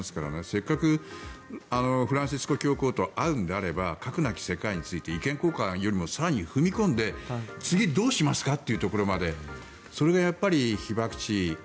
せっかくフランシスコ教皇と会うのであれば核なき世界について意見交換よりも更に踏み込んで次、どうしますかというところまでそれが被爆地・